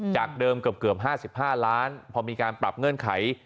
จากเดิมเกือบ๕๕ล้านพอมีการปรับเงื่อนไข